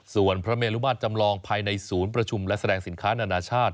ส่วนพระเมลุมาตรจำลองภายในศูนย์ประชุมและแสดงสินค้านานาชาติ